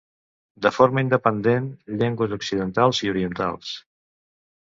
De forma independent, llengües occidentals i orientals.